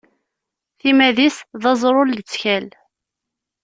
Timad-is d aẓṛu n lettkal.